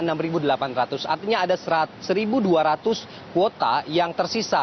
artinya ada satu dua ratus kuota yang tersisa